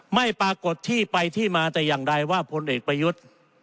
ไม่ปรากฏที่ไปที่มาแต่อย่างใดว่าพลเอกประยุทธ์